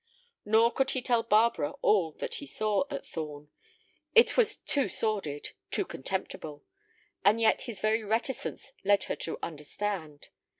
Nor could he tell Barbara all that he saw at Thorn. It was too sordid, too contemptible; and yet his very reticence led her to understand.